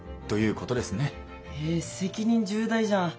え責任重大じゃん。